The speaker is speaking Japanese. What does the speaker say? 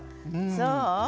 そう？